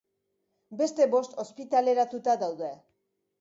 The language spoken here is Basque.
Beste bost ospitaleratuta daude.